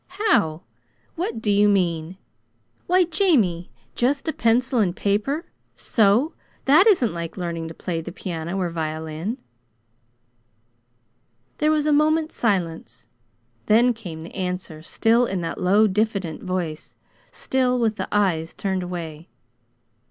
"How? What do you mean? Why, Jamie, just a pencil and paper, so that isn't like learning to play the piano or violin!" There was a moment's silence. Then came the answer, still in that low, diffident voice; still with the eyes turned away.